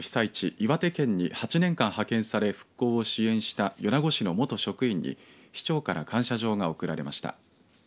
岩手県に８年間派遣され復興を支援した米子市の元職員に市長から感謝状が贈られました。